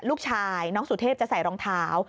ลูกชายน้องสุเทพจะใส่รองเท้า